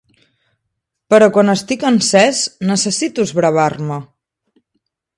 Però quan estic encès necessito esbravar-me.